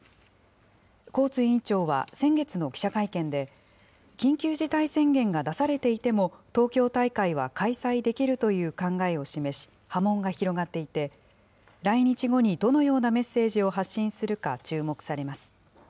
コーツ委員長は先月の記者会見で、緊急事態宣言が出されていても、東京大会は開催できるという考えを示し、波紋が広がっていて、来日後にどのようなメッセージを発信するか注目されます。